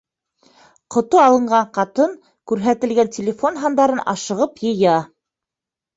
Ҡото алынған ҡатын күрһәтелгән телефон һандарын ашығып йыя.